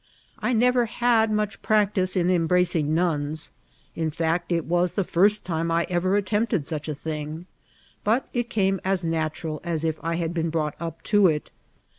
I never had much jvactice in embracing nuns ; in feet, it was the first time I ever attempted such a thing ; but it came as natural as if I had been brought iq> to it.